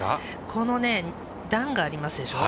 この段がありますでしょ。